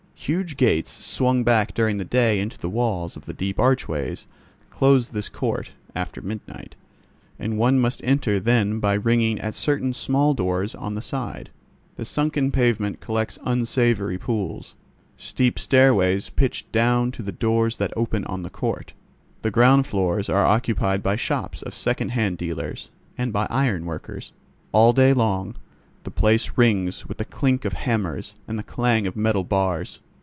Huge gates, swung back during the day into the walls of the deep archways, close this court, after midnight, and one must enter then by ringing at certain small doors on the side. The sunken pavement collects unsavoury pools. Steep stairways pitch down to doors that open on the court. The ground floors are occupied by shops of second hand dealers, and by iron workers. All day long the place rings with the clink of hammers and the clang of metal bars.